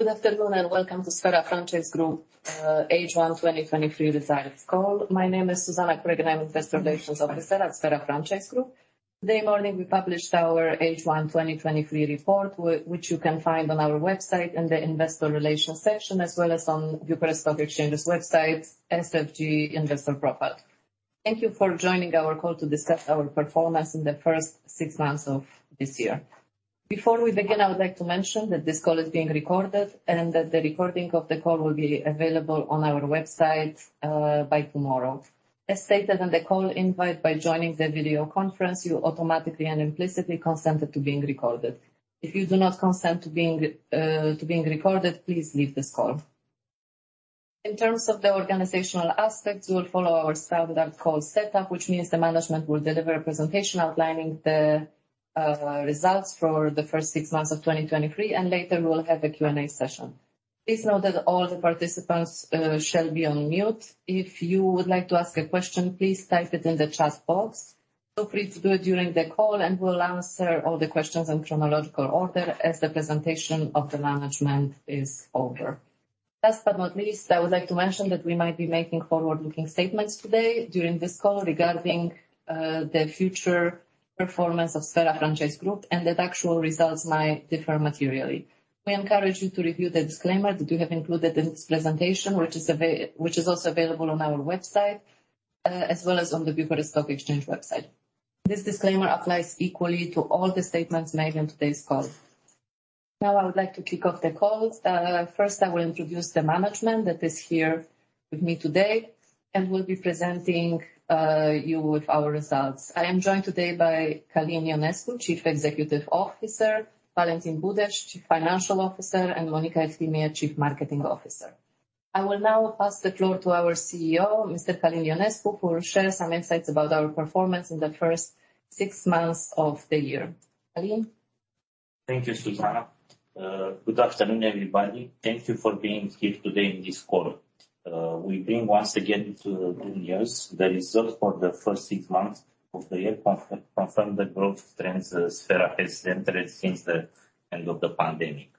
Good afternoon, and welcome to Sphera Franchise Group H1-2023 Results Call. My name is Zuzanna Kurek, and I'm the Investor Relations Officer at Sphera Franchise Group. Today morning, we published our H1-2023 report, which you can find on our website in the investor relations section, as well as on Bucharest Stock Exchange's website, SFG investor profile. Thank you for joining our call to discuss our performance in the first six months of this year. Before we begin, I would like to mention that this call is being recorded, and that the recording of the call will be available on our website by tomorrow. As stated on the call invite, by joining the video conference, you automatically and implicitly consent it to being recorded. If you do not consent to being recorded, please leave this call. In terms of the organizational aspects, we will follow our standard call setup, which means the management will deliver a presentation outlining the results for the first six months of 2023, and later we will have a Q&A session. Please note that all the participants shall be on mute. If you would like to ask a question, please type it in the chat box. Feel free to do it during the call, and we'll answer all the questions in chronological order as the presentation of the management is over. Last but not least, I would like to mention that we might be making forward-looking statements today during this call regarding the future performance of Sphera Franchise Group, and that actual results might differ materially. We encourage you to review the disclaimer that we have included in this presentation, which is also available on our website, as well as on the Bucharest Stock Exchange website. This disclaimer applies equally to all the statements made in today's call. Now, I would like to kick off the call. First, I will introduce the management that is here with me today and will be presenting you with our results. I am joined today by Călin Ionescu, Chief Executive Officer, Valentin Budeș, Chief Financial Officer, and Monica Eftimie, Chief Marketing Officer. I will now pass the floor to our CEO, Mr. Călin Ionescu, who will share some insights about our performance in the first six months of the year. Călin? Thank you, Zuzanna. Good afternoon, everybody. Thank you for being here today in this call. We bring once again to good news. The results for the first six months of the year confirm the growth trends Sphera has entered since the end of the pandemic.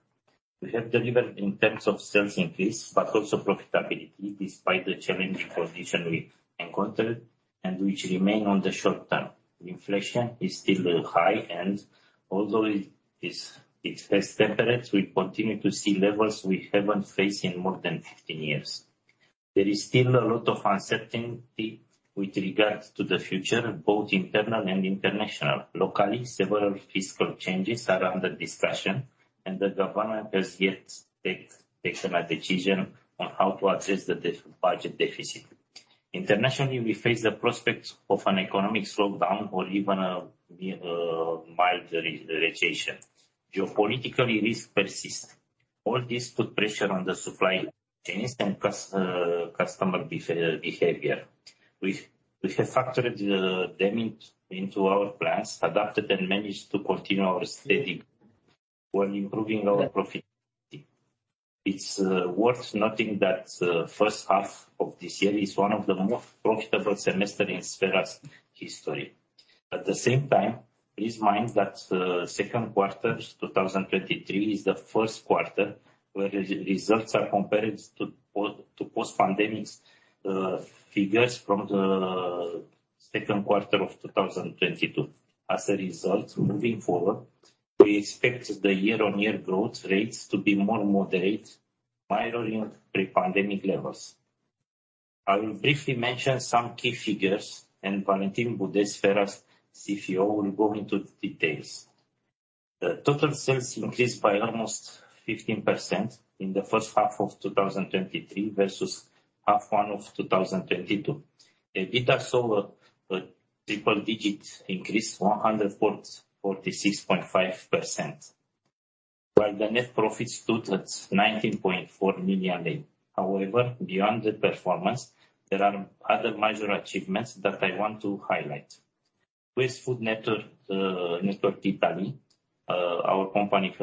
We have delivered in terms of sales increase, but also profitability, despite the challenging conditions we encountered and which remain in the short term. Inflation is still high, and although it has tempered, we continue to see levels we haven't faced in more than 15 years. There is still a lot of uncertainty with regards to the future, both internal and international. Locally, several fiscal changes are under discussion, and the government has yet taken a decision on how to address the budget deficit. Internationally, we face the prospects of an economic slowdown or even a mild recession. Geopolitically, risks persist. All this puts pressure on the supply chains and customer behavior. We have factored them into our plans, adapted and managed to continue our steady while improving our profitability. It's worth noting that first half of this year is one of the more profitable semesters in Sphera's history. At the same time, please mind that second quarter 2023 is the first quarter where results are compared to post-pandemic figures from the second quarter of 2022. As a result, moving forward, we expect the year-on-year growth rates to be more moderate, mirroring pre-pandemic levels. I will briefly mention some key figures, and Valentin Budeș, Sphera's CFO, will go into the details. The total sales increased by almost 15% in the first half of 2023 versus half one of 2022. EBITDA saw a triple digit increase, 146.5%, while the net profit stood at RON 19.4 million. However, beyond the performance, there are other major achievements that I want to highlight. US Food Network Italy, our company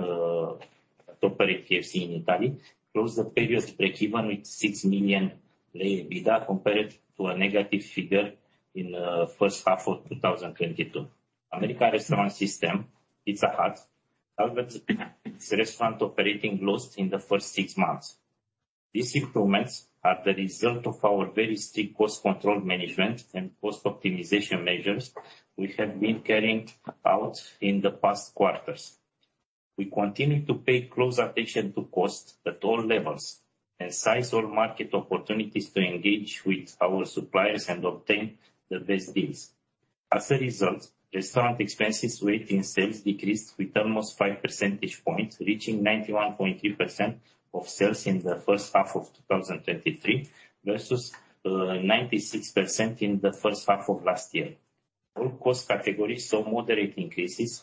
to operate KFC in Italy, closed the previous breakeven with RON 6 million EBITDA, compared to a negative figure in first half of 2022. American Restaurant System, Pizza Hut restaurant operating loss in the first six months. These improvements are the result of our very strict cost control management and cost optimization measures we have been carrying out in the past quarters. We continue to pay close attention to cost at all levels and size all market opportunities to engage with our suppliers and obtain the best deals. As a result, restaurant expenses as a percentage of sales decreased with almost 5 percentage points, reaching 91.2% of sales in the first half of 2023, versus 96% in the first half of last year. All cost categories saw moderate increases,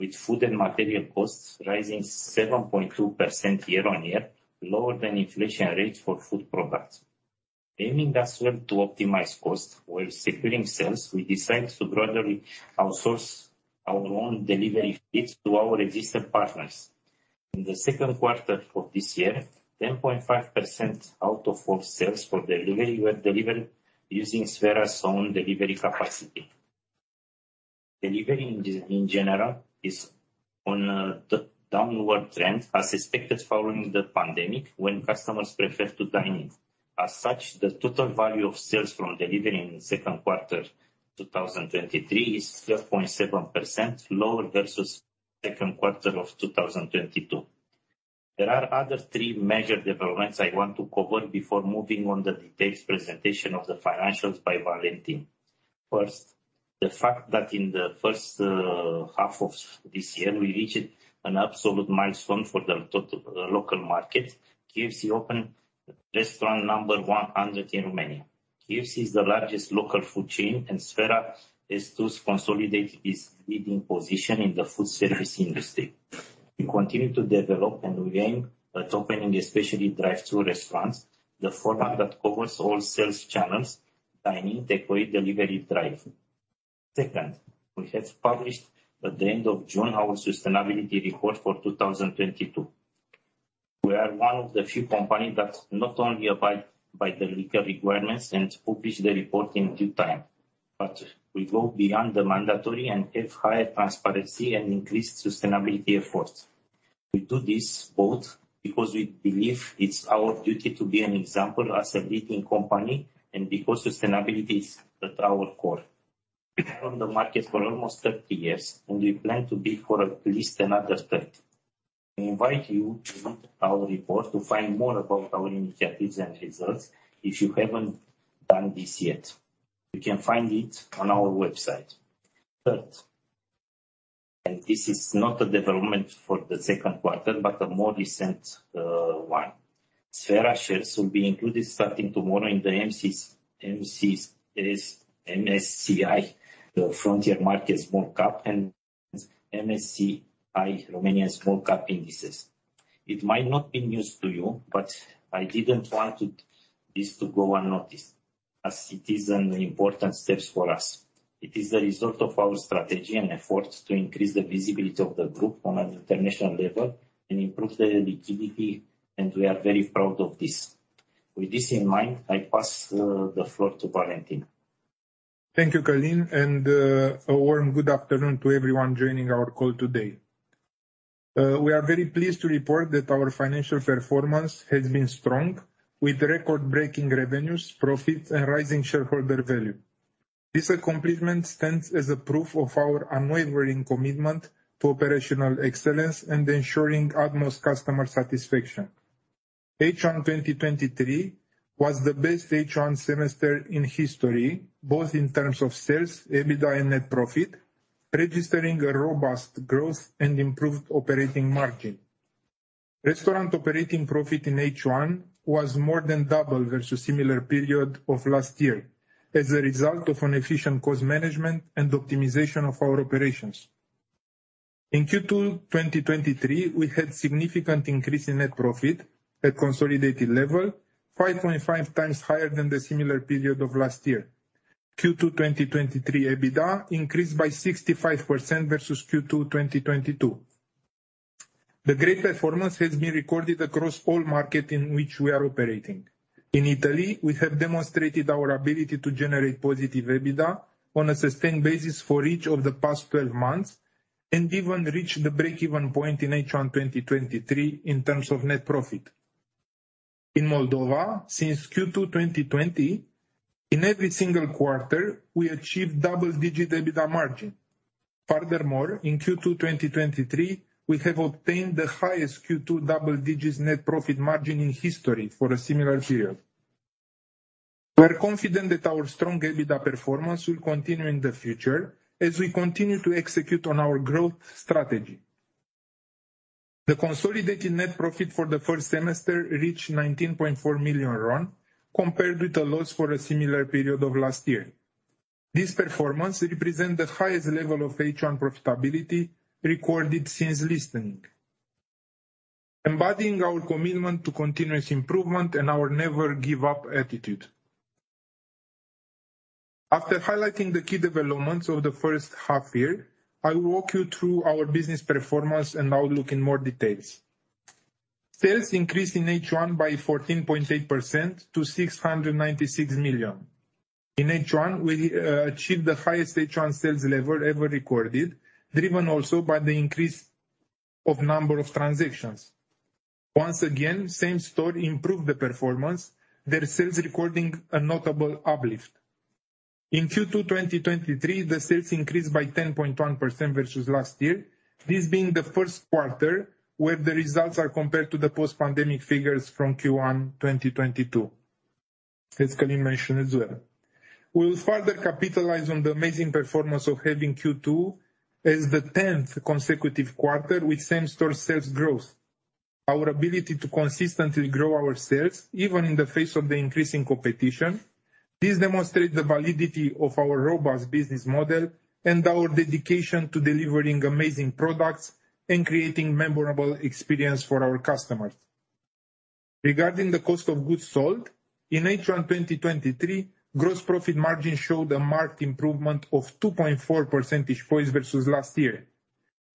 with food and material costs rising 7.2% year-on-year, lower than inflation rates for food products. Aiming as well to optimize costs while securing sales, we decided to gradually outsource our own delivery fleet to our existing partners. In the second quarter of this year, 10.5% out of all sales for delivery were delivered using Sphera's own delivery capacity. Delivery in general, is on the downward trend, as expected following the pandemic, when customers prefer to dine in. As such, the total value of sales from delivery in the second quarter, 2023, is 12.7% lower versus second quarter of 2022. There are other three major developments I want to cover before moving on the details presentation of the financials by Valentin. First, the fact that in the first half of this year, we reached an absolute milestone for the total local market. KFC opened restaurant number 100 in Romania. KFC is the largest local food chain, and Sphera is to consolidate its leading position in the food service industry. We continue to develop and we aim at opening, especially drive-through restaurants, the format that covers all sales channels: dine-in, takeaway, delivery, drive. Second, we have published at the end of June our sustainability report for 2022. We are one of the few companies that not only abide by the legal requirements and publish the report in due time, but we go beyond the mandatory and have higher transparency and increased sustainability efforts. We do this both because we believe it's our duty to be an example as a leading company and because sustainability is at our core. We are on the market for almost 30 years, and we plan to be for at least another 30. We invite you to read our report to find more about our initiatives and results, if you haven't done this yet. You can find it on our website. Third, and this is not a development for the second quarter, but a more recent one. Sphera shares will be included starting tomorrow in the MSCI Frontier Markets Small Cap and MSCI Romania Small Cap Indices. It might not be news to you, but I didn't want it, this to go unnoticed, as it is an important steps for us. It is the result of our strategy and efforts to increase the visibility of the group on an international level and improve the liquidity, and we are very proud of this. With this in mind, I pass, the floor to Valentin. Thank you, Călin, and a warm good afternoon to everyone joining our call today. We are very pleased to report that our financial performance has been strong, with record-breaking revenues, profits, and rising shareholder value. This accomplishment stands as a proof of our unwavering commitment to operational excellence and ensuring utmost customer satisfaction. H1 2023 was the best H1 semester in history, both in terms of sales, EBITDA, and net profit, registering a robust growth and improved operating margin. Restaurant operating profit in H1 was more than double versus similar period of last year, as a result of an efficient cost management and optimization of our operations. In Q2 2023, we had significant increase in net profit at consolidated level, 5.5x higher than the similar period of last year. Q2 2023 EBITDA increased by 65% versus Q2 2022. The great performance has been recorded across all markets in which we are operating. In Italy, we have demonstrated our ability to generate positive EBITDA on a sustained basis for each of the past 12 months, and even reached the break-even point in H1 2023 in terms of net profit. In Moldova, since Q2 2020, in every single quarter, we achieved double-digit EBITDA margin. Furthermore, in Q2 2023, we have obtained the highest Q2 double-digit net profit margin in history for a similar period. We are confident that our strong EBITDA performance will continue in the future as we continue to execute on our growth strategy. The consolidated net profit for the first semester reached RON 19.4 million, compared with a loss for a similar period of last year. This performance represent the highest level of H1 profitability recorded since listing, embodying our commitment to continuous improvement and our never give up attitude. After highlighting the key developments of the first half year, I will walk you through our business performance and outlook in more details. Sales increased in H1 by 14.8% to RON 696 million. In H1, we achieved the highest H1 sales level ever recorded, driven also by the increase of number of transactions. Once again, same store improved the performance, their sales recording a notable uplift. In Q2 2023, the sales increased by 10.1% versus last year, this being the first quarter where the results are compared to the post-pandemic figures from Q1 2022, as Călin mentioned as well. We will further capitalize on the amazing performance of having Q2 as the 10th consecutive quarter with same-store sales growth. Our ability to consistently grow our sales, even in the face of the increasing competition, this demonstrate the validity of our robust business model and our dedication to delivering amazing products and creating memorable experience for our customers. Regarding the cost of goods sold, in H1 2023, gross profit margin showed a marked improvement of 2.4 percentage points versus last year.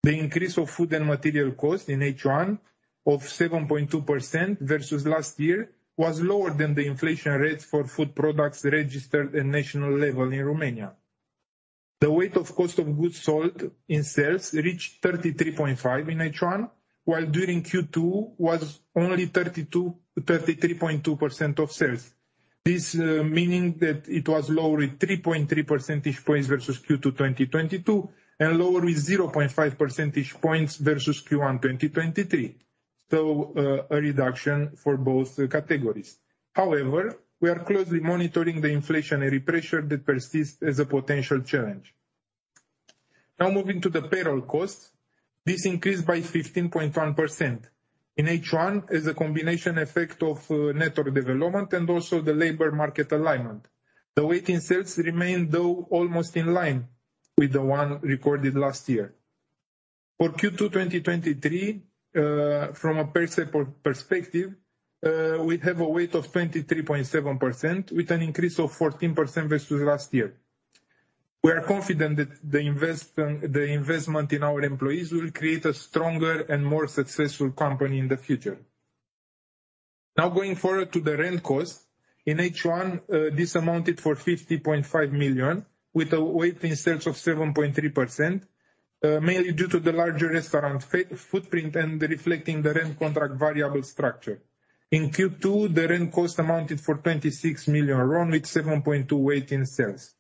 The increase of food and material costs in H1 of 7.2% versus last year was lower than the inflation rates for food products registered at national level in Romania. The weight of cost of goods sold in sales reached 33.5% in H1, while during Q2 was only 32%-33.2% of sales. This meaning that it was lower at 3.3 percentage points versus Q2 2022, and lower with 0.5 percentage points versus Q1 2023. So, a reduction for both categories. However, we are closely monitoring the inflationary pressure that persists as a potential challenge. Now, moving to the payroll costs, this increased by 15.1%. In H1 is a combination effect of network development and also the labor market alignment. The weight in sales remained, though, almost in line with the one recorded last year. For Q2 2023, from a personnel perspective, we have a weight of 23.7% with an increase of 14% versus last year. We are confident that the investment in our employees will create a stronger and more successful company in the future. Now, going forward to the rent cost. In H1, this amounted for RON 50.5 million, with a weight in sales of 7.3%, mainly due to the larger restaurant footprint and reflecting the rent contract variable structure. In Q2, the rent cost amounted for RON 26 million, with 7.2 weight in sales.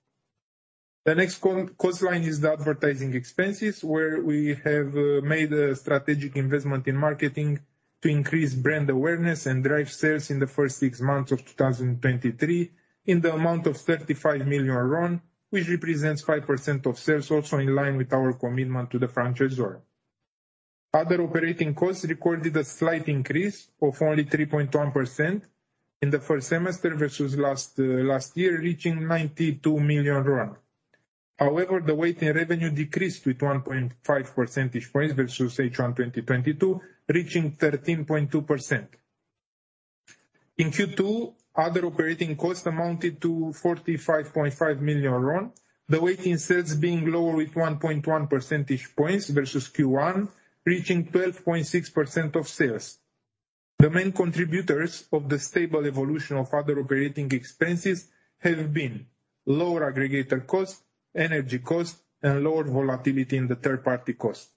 The next cost line is the advertising expenses, where we have made a strategic investment in marketing to increase brand awareness and drive sales in the first six months of 2023, in the amount of RON 35 million, which represents 5% of sales, also in line with our commitment to the franchisor. Other operating costs recorded a slight increase of only 3.1% in the first semester versus last year, reaching RON 92 million. However, the weight in revenue decreased with 1.5 percentage points versus H1 2022, reaching 13.2%. In Q2, other operating costs amounted to RON 45.5 million. The weight in sales being lower with 1.1 percentage points versus Q1, reaching 12.6% of sales. The main contributors of the stable evolution of other operating expenses have been lower aggregator costs, energy costs, and lower volatility in the third party costs.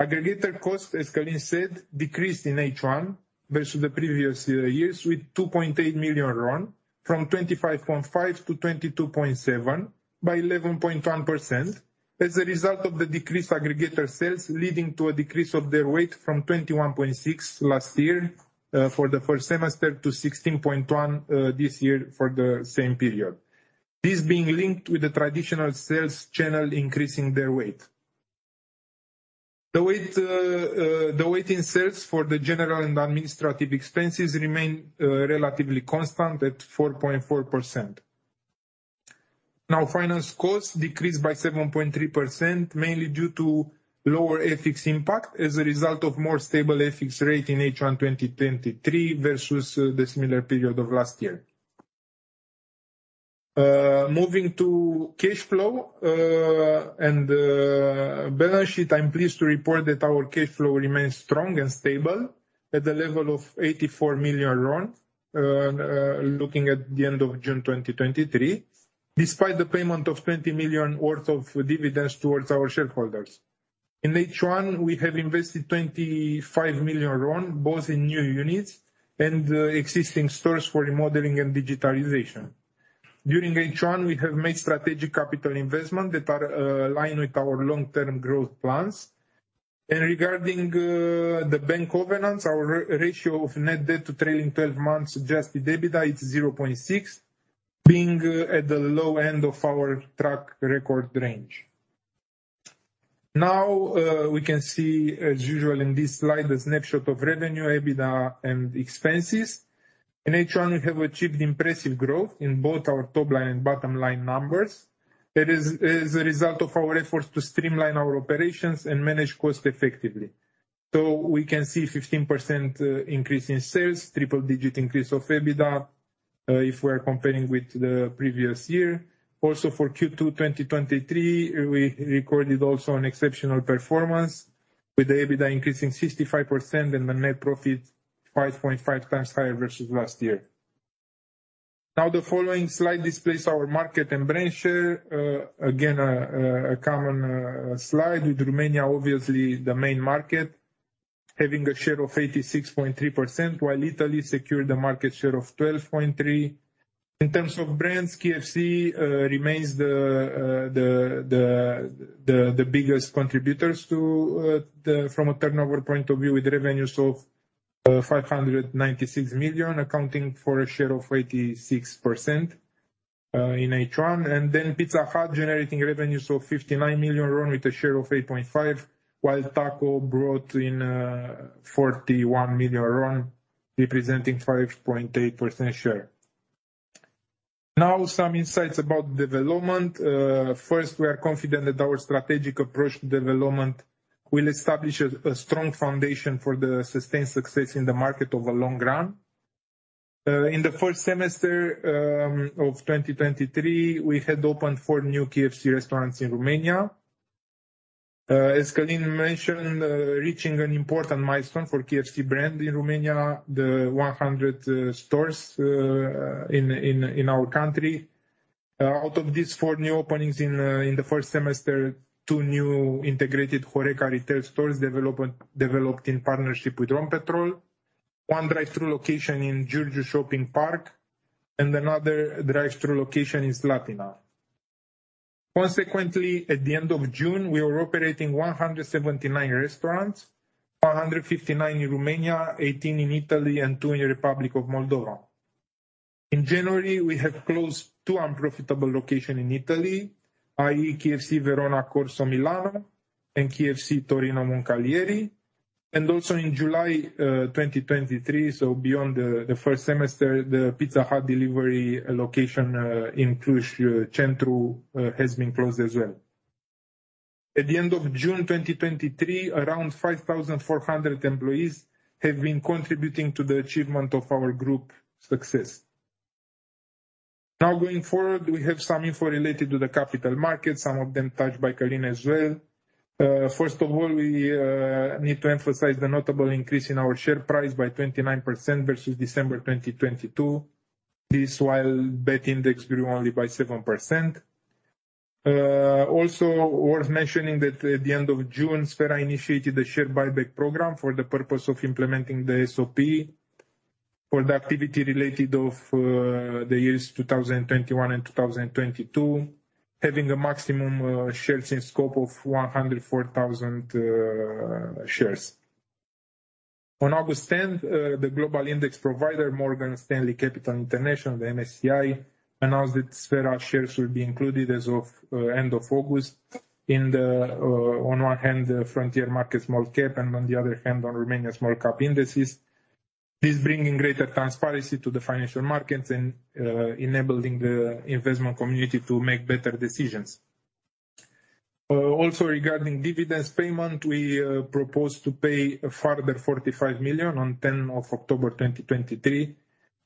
Aggregator costs, as Călin said, decreased in H1 versus the previous years, with RON 2.8 million from 25.5 to 22.7 by 11.1%. As a result of the decreased aggregator sales, leading to a decrease of their weight from 21.6 last year for the first semester, to 16.1 this year for the same period. This being linked with the traditional sales channel, increasing their weight. The weight in sales for the general and administrative expenses remain relatively constant at 4.4%. Now, finance costs decreased by 7.3%, mainly due to lower FX impact as a result of more stable FX rate in H1 2023, versus the similar period of last year. Moving to cash flow and balance sheet, I'm pleased to report that our cash flow remains strong and stable at the level of RON 84 million, looking at the end of June 2023, despite the payment of RON 20 million worth of dividends towards our shareholders. In H1, we have invested RON 25 million, both in new units and existing stores for remodeling and digitalization. During H1, we have made strategic capital investment that are aligned with our long-term growth plans. Regarding the bank governance, our ratio of net debt to trailing twelve months adjusted EBITDA is 0.6, being at the low end of our track record range. Now we can see, as usual in this slide, a snapshot of revenue, EBITDA, and expenses. In H1, we have achieved impressive growth in both our top line and bottom line numbers. That is a result of our efforts to streamline our operations and manage costs effectively. We can see 15% increase in sales, triple-digit increase of EBITDA, if we are comparing with the previous year. Also, for Q2 2023, we recorded also an exceptional performance, with EBITDA increasing 65% and the net profit 5.5x higher versus last year. Now, the following slide displays our market and brand share. Again, a common slide, with Romania obviously the main market, having a share of 86.3%, while Italy secured a market share of 12.3%. In terms of brands, KFC remains the biggest contributors to the. From a turnover point of view, with revenues of RON 596 million, accounting for a share of 86% in H1, and then Pizza Hut generating revenues of RON 59 million, with a share of 8.5%, while Taco Bell brought in RON 41 million, representing 5.8% share. Now, some insights about development. First, we are confident that our strategic approach to development will establish a strong foundation for the sustained success in the market over long run. In the first semester of 2023, we had opened four new KFC restaurants in Romania. As Călin mentioned, reaching an important milestone for KFC brand in Romania, the 100 stores in our country. Out of these four new openings in the first semester, two new integrated HoReCa retail stores developed in partnership with Rompetrol. One drive-thru location in Giurgiu Shopping Park, and another drive-thru location in Slatina. Consequently, at the end of June, we were operating 179 restaurants, 159 in Romania, 18 in Italy and two in Republic of Moldova. In January, we have closed two unprofitable location in Italy, i.e., KFC Verona Corso Milano and KFC Torino Moncalieri, and also in July 2023, so beyond the first semester, the Pizza Hut Delivery location in Cluj-Napoca Centru has been closed as well. At the end of June 2023, around 5,400 employees have been contributing to the achievement of our group success. Now, going forward, we have some info related to the capital market, some of them touched by Călin as well. First of all, we need to emphasize the notable increase in our share price by 29% versus December 2022. This, while BET Index grew only by 7%. Also worth mentioning that at the end of June, Sphera initiated a share buyback program for the purpose of implementing the SOP for the activity related of the years 2021 and 2022, having a maximum shares in scope of 104,000 shares. On August 10, the Global index provider, Morgan Stanley Capital International, the MSCI, announced that Sphera shares will be included as of end of August in the on one hand, the Frontier Markets Small Cap, and on the other hand, the Romania Small Cap indices. This bringing greater transparency to the financial markets and enabling the investment community to make better decisions. Also regarding dividends payment, we propose to pay further RON 45 million on October 10, 2023.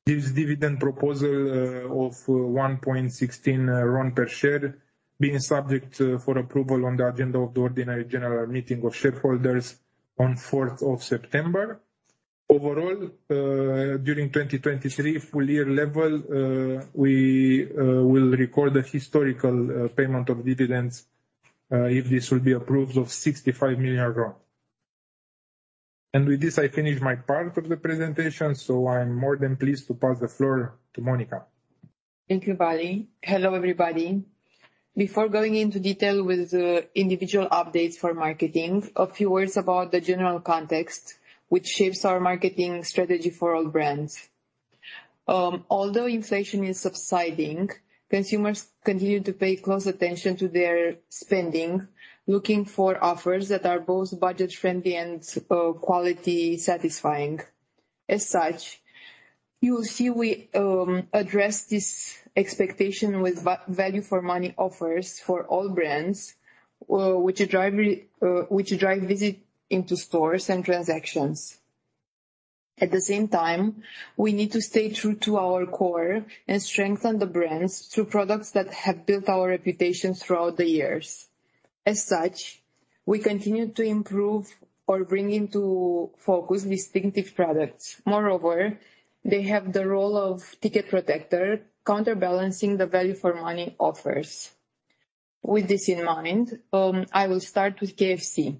This dividend proposal, of RON 1.16 per share, being subject for approval on the agenda of the ordinary general meeting of shareholders on 4th of September. Overall, during 2023 full year level, we will record a historical payment of dividends, if this will be approved, of RON 65 million. With this, I finish my part of the presentation, so I'm more than pleased to pass the floor to Monica. Thank you, Vali. Hello, everybody. Before going into detail with the individual updates for marketing, a few words about the general context, which shapes our marketing strategy for all brands. Although inflation is subsiding, consumers continue to pay close attention to their spending, looking for offers that are both budget-friendly and quality satisfying. As such, you will see we address this expectation with value for money offers for all brands, which drive visit into stores and transactions. At the same time, we need to stay true to our core and strengthen the brands through products that have built our reputation throughout the years. As such, we continue to improve or bring into focus distinctive products. Moreover, they have the role of ticket protector, counterbalancing the value for money offers. With this in mind, I will start with KFC.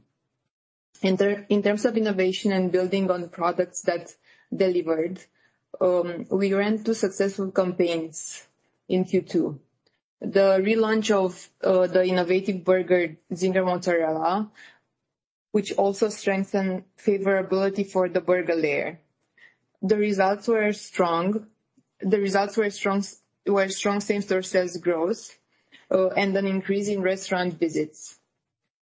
In terms of innovation and building on products that delivered, we ran two successful campaigns in Q2. The relaunch of the innovative burger, Zinger Mozzarella, which also strengthened favorability for the burger layer. The results were strong, strong same-store sales growth and an increase in restaurant visits.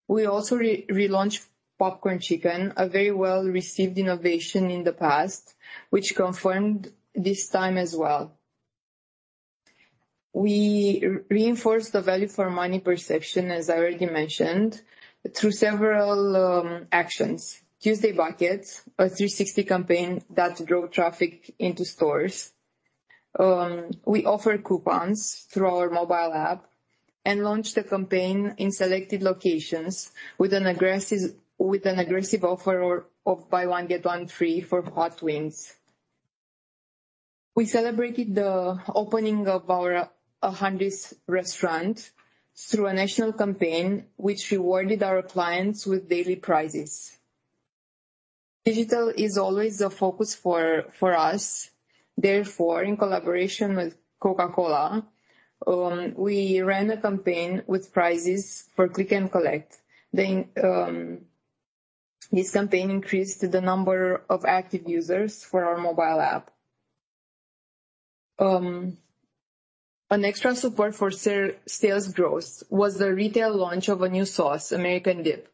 We also relaunched Popcorn Chicken, a very well-received innovation in the past, which confirmed this time as well. We reinforced the value for money perception, as I already mentioned, through several actions. Tuesday Bucket, a 360 campaign that drove traffic into stores. We offered coupons through our mobile app and launched a campaign in selected locations with an aggressive offer of buy one, get one free for hot wings. We celebrated the opening of our 100th restaurant through a national campaign, which rewarded our clients with daily prizes. Digital is always a focus for us. Therefore, in collaboration with Coca-Cola, we ran a campaign with prizes for Click & Collect. Then, this campaign increased the number of active users for our mobile app. An extra support for sales growth was the retail launch of a new sauce, American Dip.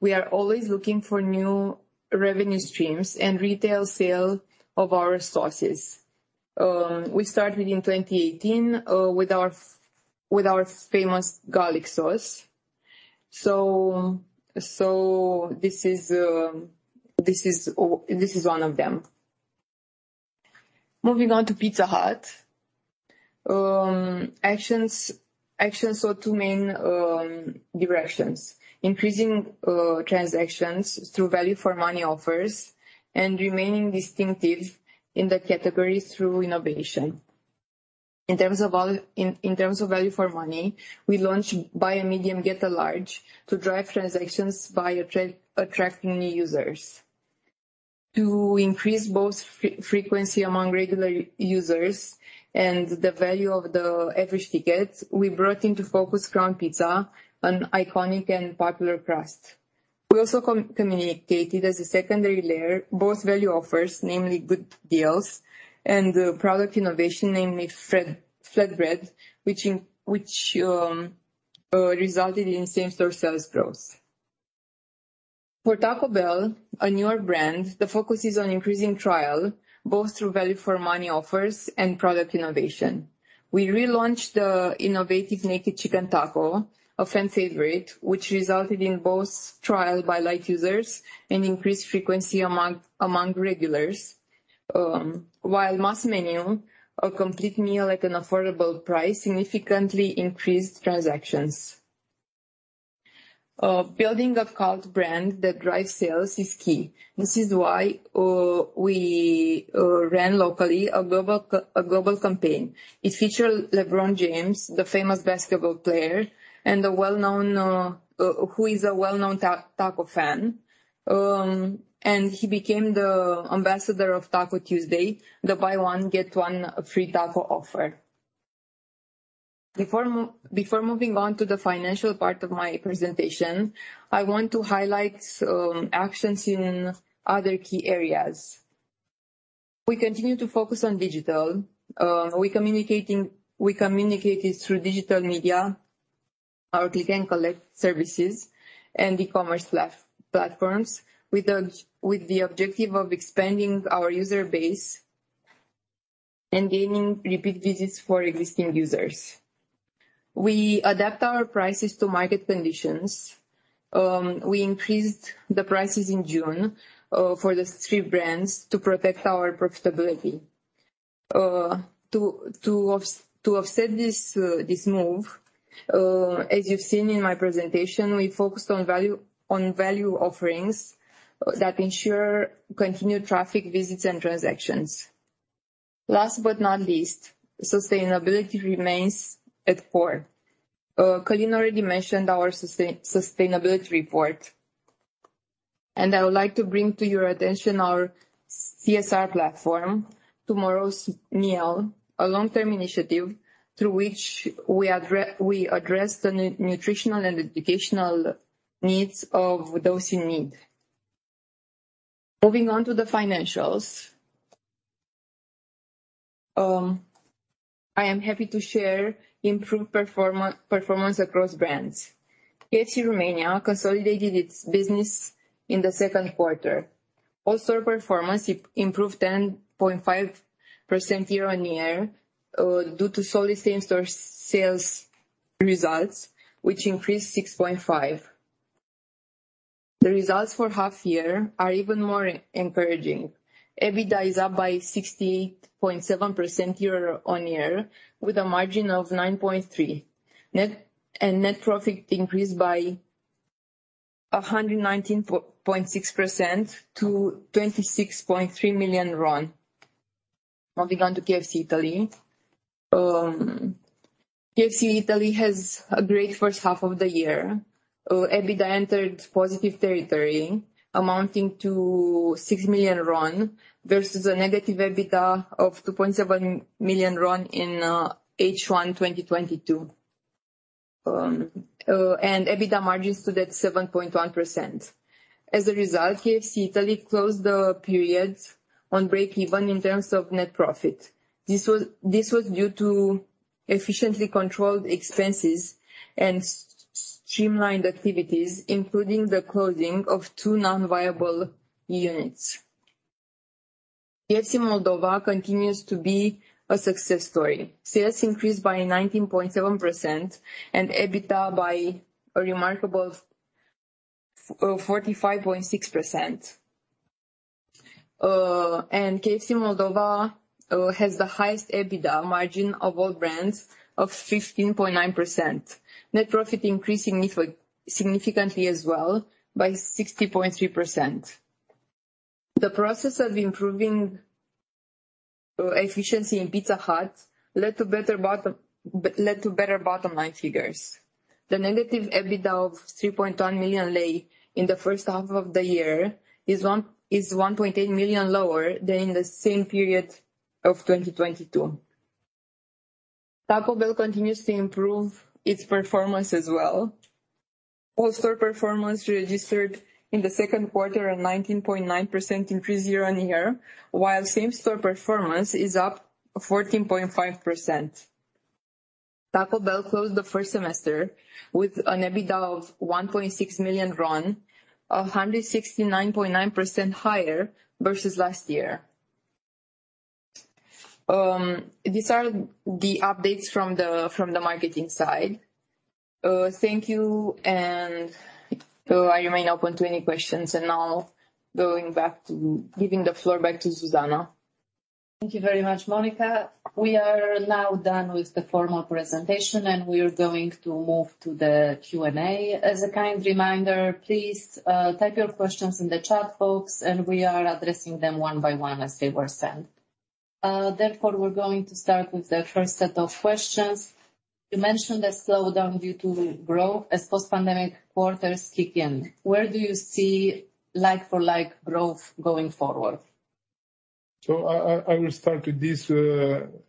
We are always looking for new revenue streams and retail sale of our sauces. We started in 2018 with our famous garlic sauce. So, this is one of them. Moving on to Pizza Hut. Actions are two main directions: increasing transactions through value for money offers, and remaining distinctive in the category through innovation. In terms of value for money, we launched buy a medium, get a large, to drive transactions by attracting new users. To increase both frequency among regular users and the value of the average ticket, we brought into focus Crown Pizza, an iconic and popular crust. We also communicated as a secondary layer, both value offers, namely Good Deals and Product Innovation, namely Flatbread, which resulted in same-store sales growth. For Taco Bell, a newer brand, the focus is on increasing trial, both through value for money offers and product innovation. We relaunched the innovative Naked Chicken Taco, a fan favorite, which resulted in both trial by light users and increased frequency among regulars. While Mix Menu, a complete meal at an affordable price, significantly increased transactions. Building a cult brand that drives sales is key. This is why we ran locally a global campaign. It featured LeBron James, the famous basketball player, who is a well-known Taco fan. And he became the ambassador of Taco Tuesday, the buy one, get one free taco offer. Before moving on to the financial part of my presentation, I want to highlight actions in other key areas. We continue to focus on digital. We communicated through digital media our Click & Collect services, and e-commerce platforms, with the objective of expanding our user base and gaining repeat visits for existing users. We adapt our prices to market conditions. We increased the prices in June for the three brands to protect our profitability. To offset this move, as you've seen in my presentation, we focused on value, on value offerings that ensure continued traffic visits and transactions. Last but not least, sustainability remains at core. Călin already mentioned our sustainability report, and I would like to bring to your attention our CSR platform, Tomorrow's Meal, a long-term initiative through which we address the nutritional and educational needs of those in need. Moving on to the financials, I am happy to share improved performance across brands. KFC Romania consolidated its business in the second quarter. All store performance improved 10.5% year-on-year, due to solid same-store sales results, which increased 6.5. The results for half year are even more encouraging. EBITDA is up by 68.7% year-on-year, with a margin of 9.3%. Net and net profit increased by 119.6% to RON 26.3 million. Moving on to KFC Italy. KFC Italy has a great first half of the year. EBITDA entered positive territory, amounting to RON 6 million versus a negative EBITDA of RON 2.7 million in H1 2022. And EBITDA margins stood at 7.1%. As a result, KFC Italy closed the period on breakeven in terms of net profit. This was due to efficiently controlled expenses and streamlined activities, including the closing of two non-viable units. KFC Moldova continues to be a success story. Sales increased by 19.7% and EBITDA by a remarkable 45.6%. And KFC Moldova has the highest EBITDA margin of all brands, of 15.9%. Net profit increased significantly as well, by 60.3%. The process of improving efficiency in Pizza Hut led to better bottom line figures. The negative EBITDA of RON 3.1 million in the first half of the year is RON 1.8 million lower than in the same period of 2022. Taco Bell continues to improve its performance as well. All-store performance registered in the second quarter a 19.9% increase year-on-year, while same-store performance is up 14.5%. Taco Bell closed the first semester with an EBITDA of RON 1.6 million, 169.9% higher versus last year. These are the updates from the marketing side. Thank you, and I remain open to any questions. And now, giving the floor back to Zuzanna. Thank you very much, Monica. We are now done with the formal presentation, and we are going to move to the Q&A. As a kind reminder, please, type your questions in the chat box, and we are addressing them one by one as they were sent. Therefore, we're going to start with the first set of questions. You mentioned a slowdown due to growth as post-pandemic quarters kick in. Where do you see like for like growth going forward? So I will start with this.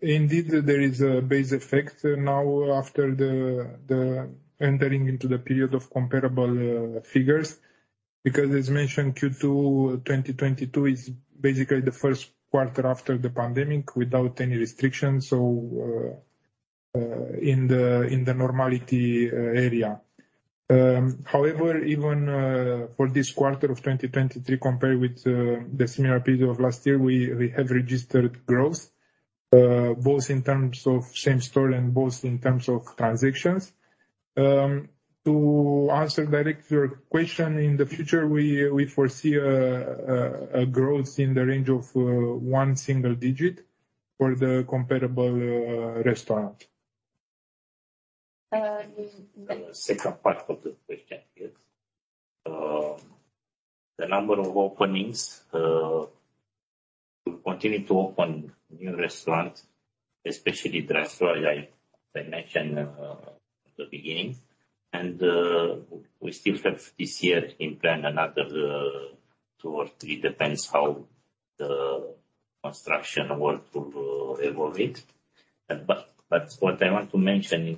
Indeed, there is a base effect now after the entering into the period of comparable figures, because as mentioned, Q2 2022 is basically the first quarter after the pandemic without any restrictions in the normality area. However, even for this quarter of 2023, compared with the similar period of last year, we have registered growth both in terms of same-store and both in terms of transactions. To answer directly your question, in the future, we foresee a growth in the range of one single digit for the comparable restaurant. Uh, the- The second part of the question is, the number of openings. We continue to open new restaurants, especially drive-thru, I mentioned at the beginning. And, we still have this year in plan another, two or three, depends how the construction work will evolve it. But, what I want to mention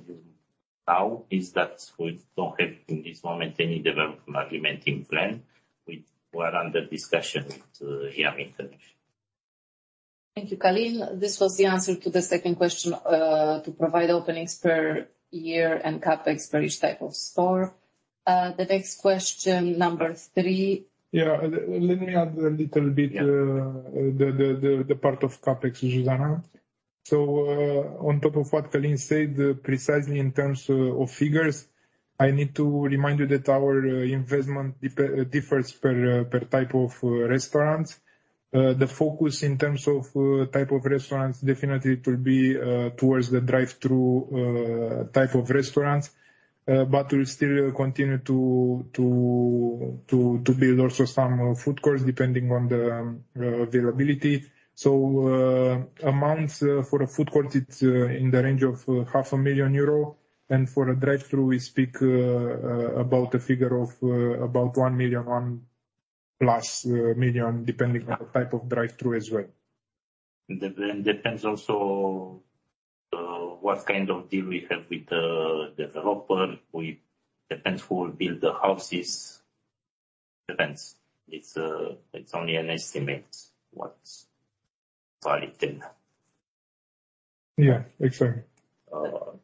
now is that we don't have, in this moment, any development agreement in plan, which were under discussion with, the American. Thank you, Călin. This was the answer to the second question to provide openings per year and CapEx for each type of store. The next question, number three. Yeah, let me add a little bit- Yeah. The part of CapEx, Zuzanna. So, on top of what Călin said, precisely in terms of figures, I need to remind you that our investment differs per type of restaurant. The focus in terms of type of restaurants, definitely it will be towards the drive-through type of restaurants, but we still continue to build also some food courts, depending on the availability. So, amounts for a food court, it's in the range of 500,000 euro, and for a drive-through, we speak about a figure of about 1 million, 1+ million, depending on the type of drive-through as well. Depends, depends also what kind of deal we have with the developer, we... Depends who will build the houses. Depends. It's, it's only an estimate, what Valentin. Yeah, exactly. Uh.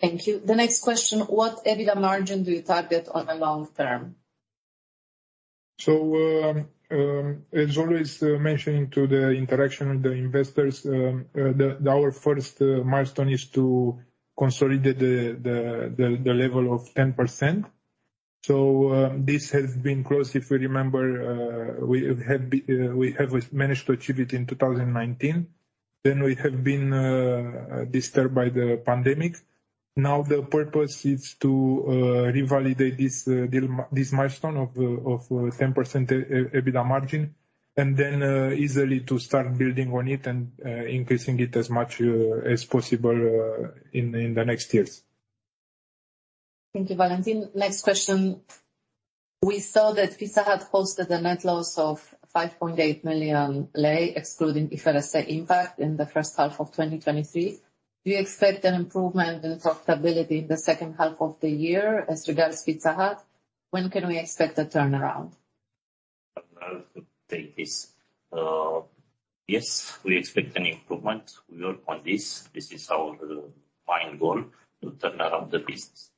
Thank you. The next question: What EBITDA margin do you target on a long term? So, as always, mentioning to the interaction with the investors, the, our first milestone is to consolidate the level of 10%. So, this has been close. If you remember, we have been, we have managed to achieve it in 2019. Then we have been disturbed by the pandemic. Now, the purpose is to revalidate this deal, this milestone of 10% EBITDA margin, and then easily to start building on it and increasing it as much as possible in the next years. Thank you, Valentin. Next question. We saw that Pizza Hut posted a net loss of RON 5.8 million, excluding IFRS impact in the first half of 2023. Do you expect an improvement in profitability in the second half of the year as regards Pizza Hut? When can we expect a turnaround? I'll take this. Yes, we expect an improvement. We work on this. This is our main goal, to turn around the business.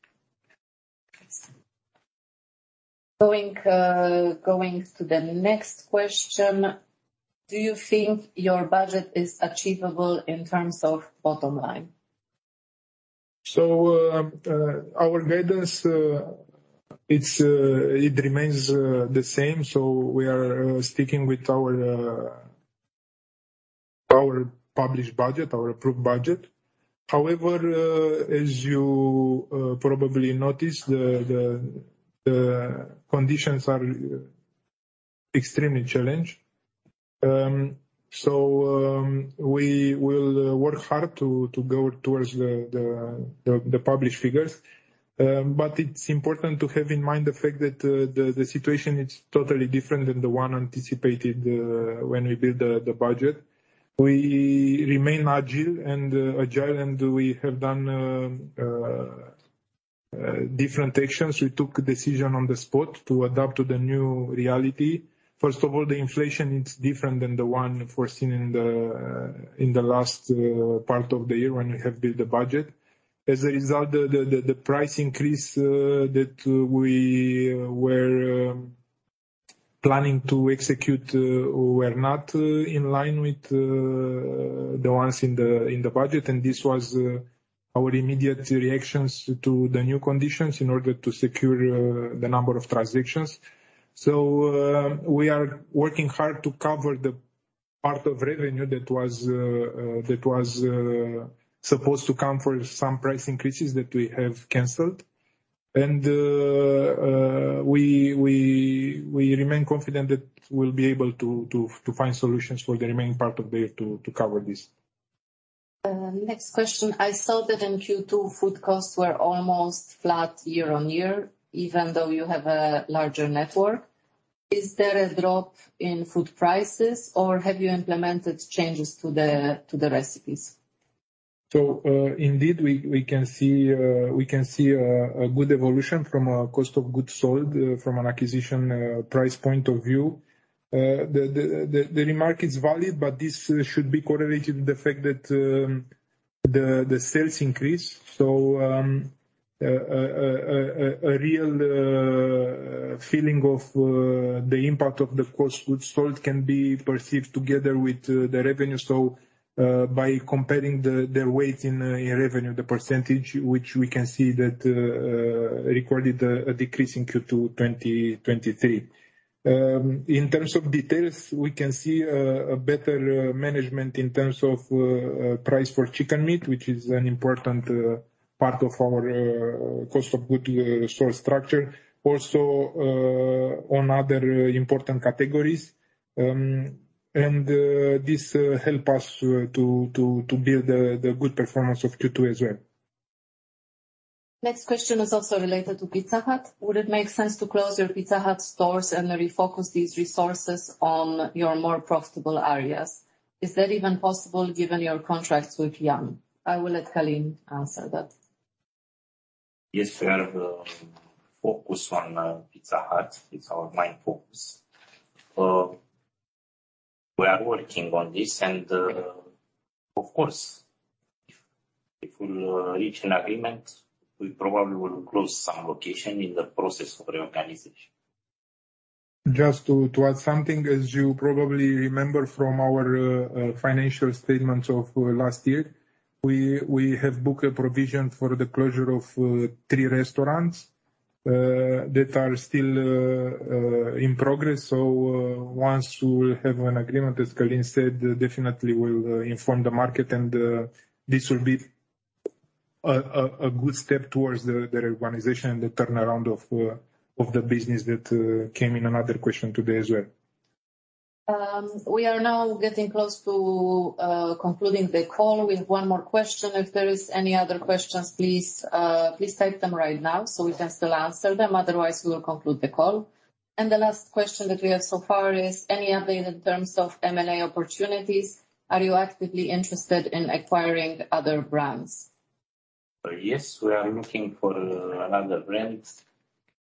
Going, going to the next question: Do you think your budget is achievable in terms of bottom line? So, our guidance, it remains the same, so we are sticking with our published budget, our approved budget. However, as you probably noticed, the conditions are extremely challenged. So, we will work hard to go towards the published figures. But it's important to have in mind the fact that the situation is totally different than the one anticipated, when we built the budget. We remain agile and agile, and we have done different actions. We took a decision on the spot to adapt to the new reality. First of all, the inflation is different than the one foreseen in the last part of the year when we have built the budget. As a result, the price increase that we were planning to execute were not in line with the ones in the budget, and this was our immediate reactions to the new conditions in order to secure the number of transactions. So, we are working hard to cover the part of revenue that was supposed to come for some price increases that we have canceled. And we remain confident that we'll be able to find solutions for the remaining part of the year to cover this. Next question: I saw that in Q2, food costs were almost flat year-on-year, even though you have a larger network. Is there a drop in food prices, or have you implemented changes to the recipes? So, indeed, we can see a good evolution from a cost of goods sold, from an acquisition price point of view. The remark is valid, but this should be correlated with the fact that the sales increase. So, a real feeling of the impact of the cost of goods sold can be perceived together with the revenue. So, by comparing the weight in revenue, the percentage, which we can see that recorded a decrease in Q2, 2023. In terms of details, we can see a better management in terms of price for chicken meat, which is an important part of our cost of goods store structure, also on other important categories. And this helps us to build the good performance of Q2 as well. Next question is also related to Pizza Hut. Would it make sense to close your Pizza Hut stores and refocus these resources on your more profitable areas? Is that even possible, given your contracts with Yum? I will let Călin answer that. Yes, we are focused on Pizza Hut. It's our main focus. We are working on this, and of course, if we reach an agreement, we probably will close some location in the process of reorganization. Just to add something, as you probably remember from our financial statements of last year, we have booked a provision for the closure of three restaurants that are still in progress. So, once we will have an agreement, as Călin said, definitely we'll inform the market, and this will be a good step towards the reorganization and the turnaround of the business that came in another question today as well. We are now getting close to concluding the call. We have one more question. If there is any other questions, please, please type them right now so we can still answer them. Otherwise, we will conclude the call. The last question that we have so far is: any update in terms of M&A opportunities, are you actively interested in acquiring other brands? Yes, we are looking for another brand,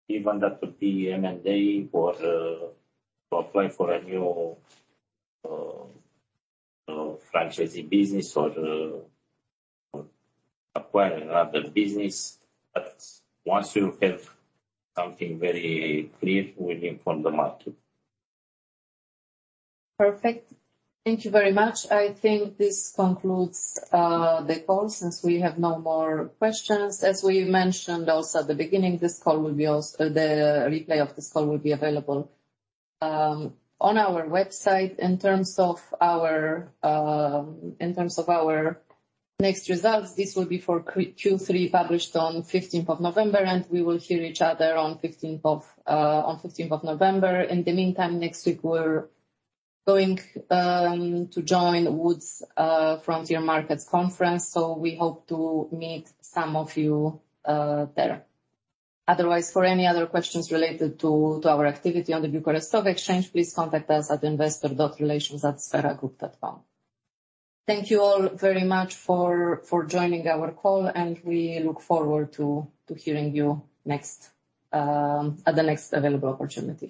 even that would be M&A or, to apply for a new, franchisee business or, acquire another business. But once you have something very clear, we'll inform the market. Perfect. Thank you very much. I think this concludes the call since we have no more questions. As we mentioned also at the beginning, the replay of this call will be available on our website. In terms of our next results, this will be for Q3, published on 15th of November, and we will hear each other on 15th of November. In the meantime, next week, we're going to join Wood & Company Frontier Markets Conference, so we hope to meet some of you there. Otherwise, for any other questions related to our activity on the Bucharest Stock Exchange, please contact us at investor.relations@spheragroup.com. Thank you all very much for joining our call, and we look forward to hearing you next at the next available opportunity.